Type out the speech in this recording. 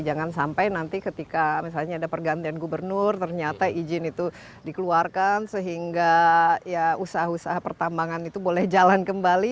jangan sampai nanti ketika misalnya ada pergantian gubernur ternyata izin itu dikeluarkan sehingga ya usaha usaha pertambangan itu boleh jalan kembali